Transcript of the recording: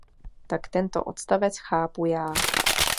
Tak tento odstavec chápu já.